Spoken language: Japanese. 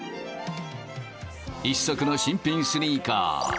一足の新品スニーカー。